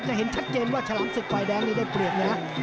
จะเห็นชัดเจนว่าชาลามศึกวายแดงนี่ได้เปลี่ยน